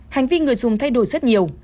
hành vi người dùng thay đổi rất nhiều